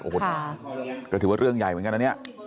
โอ้โฮคือเรื่องใหญ่เหมือนกันอันนี้